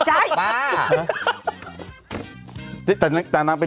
แต่งเป็นอันนี้แล้วนะคะ